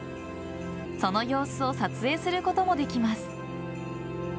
その様子を撮影することもできます。